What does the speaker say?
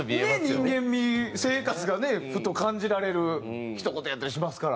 人間味生活がねふと感じられるひと言やったりしますからね。